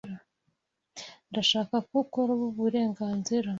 Ndashaka ko ukora ubu burenganzira.